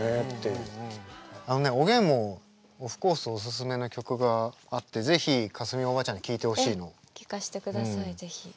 あのねおげんもオフコースおすすめの曲があって是非架純おばあちゃんに聴いてほしいの。聴かせてください是非。